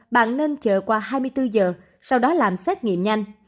bạn nên chờ qua hai mươi bốn giờ sau đó làm xét nghiệm nhanh